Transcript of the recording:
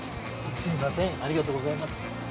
すみませんありがとうございます。